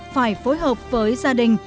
phải phối hợp với gia đình